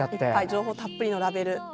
情報たっぷりのラベル。